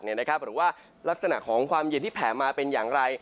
หรือว่าลักษณะของความเย็นที่แผ่มาเป็นอย่างไร